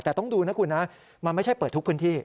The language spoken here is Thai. แต่ต้องดูนะคุณนะมันไม่ใช่เปิดทุกพื้นที่